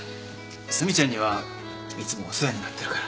須美ちゃんにはいつもお世話になってるから。